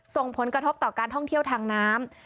ส่งผลกระทบต่อการท่องเที่ยวทางน้ำ